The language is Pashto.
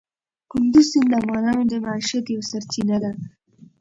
کندز سیند د افغانانو د معیشت یوه سرچینه ده.